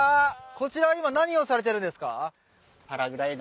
こちら今何をされているんですか？